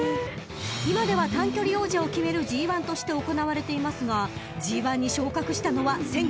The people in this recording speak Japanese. ［今では短距離王者を決めるＧⅠとして行われていますがＧⅠに昇格したのは１９９０年］